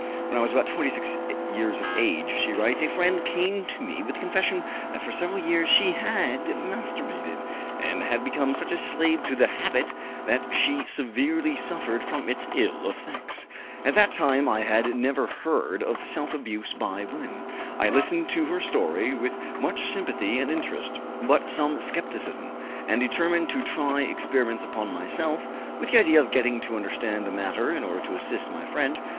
"When I was about 26 years of age," she writes, "a friend came to me with the confession that for several years she had masturbated, and had become such a slave to the habit that she severely suffered from its ill effects. At that time I had never heard of self abuse by women. I listened to her story with much sympathy and interest, but some skepticism, and determined to try experiments upon myself, with the idea of getting to understand the matter in order to assist my friend.